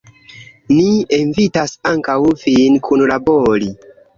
Ni invitas ankaŭ vin kunlabori!